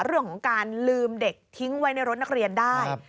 เรื่องของการลืมเด็กทิ้งไว้ในรถนักเรียนได้